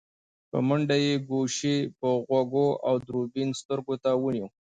په منډه يې ګوشي په غوږو او دوربين سترګو ته ونيو.